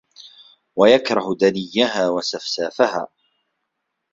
وَيَكْرَهُ دَنِيَّهَا وَسَفْسَافَهَا